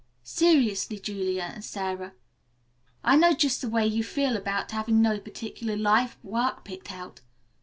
"Seriously, Julia and Sara, I know just the way you feel about having no particular life work picked out.